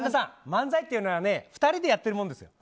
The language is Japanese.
漫才っていうのは２人でやっているもんです。